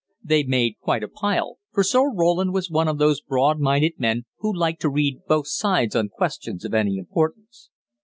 They made quite a pile, for Sir Roland was one of those broad minded men who like to read both sides on questions of any importance.